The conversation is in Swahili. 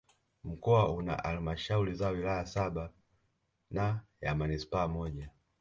Mkoa una Halmashauri za wilaya saba na ya Manispaa moja